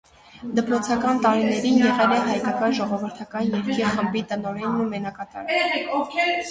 Դպրոցական տարիներին եղել է հայկական ժողովրդական երգի խմբի տնօրենն ու մենակատարը։